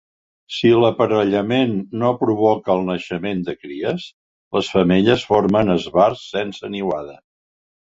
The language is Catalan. Si l'aparellament no provoca el naixement de cries, les femelles formen esbarts sense niuada.